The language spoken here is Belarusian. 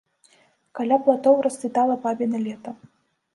Каля платоў расцвітала бабіна лета.